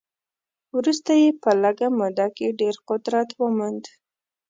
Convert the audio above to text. وروسته یې په لږه موده کې ډېر قدرت وموند.